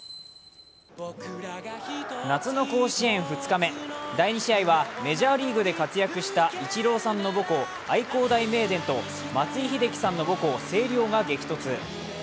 夏の甲子園２日目、第２試合はメジャーリーグで活躍したイチローさんの母校・愛工大名電と松井秀喜さんの母校・星稜が激突。